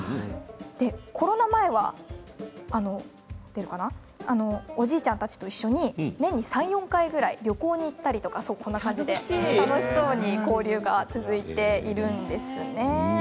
コロナ前はおじいちゃんたちと一緒に年に３、４回ぐらい旅行に行ったり楽しそうに交流が続いているんですね。